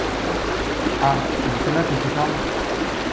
Ah ! c’est de cela que tu parles !